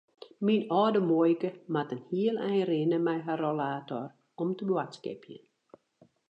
Myn âlde muoike moat in heel ein rinne mei har rollator om te boadskipjen.